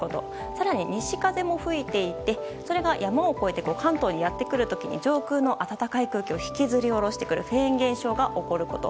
更に西風も吹いていてそれが山を越えて関東にやってくる時に上空の暖かい空気を引きずり降ろしてくるフェーン現象が起こること。